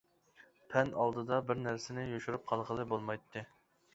پەن ئالدىدا بىرنەرسىنى يوشۇرۇپ قالغىلى بولمايتتى.